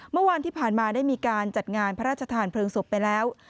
เมื่อวานที่ผ่านมาได้มีการจัดงานพระราชทานเพลิงศพไปแล้ว